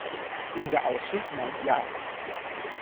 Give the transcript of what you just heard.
Unser Ausschuss meint ja.